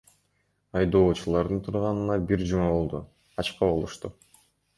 Айдоочулардын турганына бир жума болду, ачка болушту.